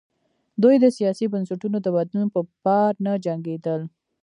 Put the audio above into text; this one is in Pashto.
دوی د سیاسي بنسټونو د بدلون په پار نه جنګېدل.